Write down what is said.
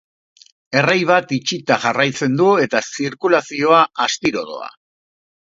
Errei bat itxita jarraitzen du eta zirkulazioa astiro doa.